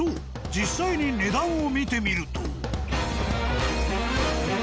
実際に値段を見てみると。